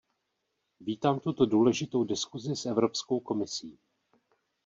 Vítám tuto důležitou diskuzi s Evropskou komisí.